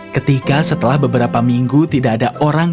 ketika setelah beberapa minggu tidak ada orang